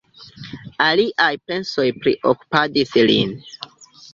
Aliaj pensoj priokupadis lin.